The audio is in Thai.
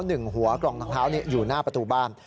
หัวกล่องทางเท้าอยู่หน้าประตูบ้าน